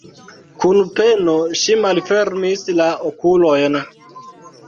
Kun peno ŝi malfermis la okulojn.